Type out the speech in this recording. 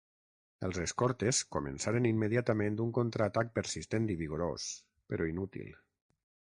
Els escortes començaren immediatament un contraatac persistent i vigorós però inútil.